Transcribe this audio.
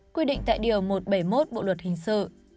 quy định tại điều một trăm bảy mươi một bộ luật hình sự